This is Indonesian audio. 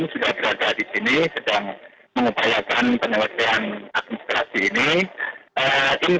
sudah berada di sini sedang mengupayakan penyelesaian administrasi ini